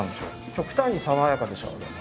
極端に爽やかでしょうでも。